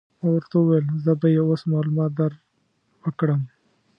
ما ورته وویل: زه به يې اوس معلومات در وکړم.